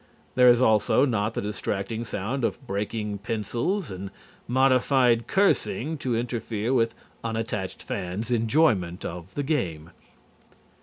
There is also not the distracting sound of breaking pencils and modified cursing to interfere with unattached fans' enjoyment of the game.